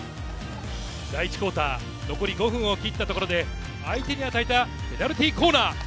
第１クオーター、残り５分を切ったところで、相手に与えたペナルティーコーナー。